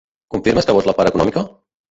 Confirmes que vols la part econòmica?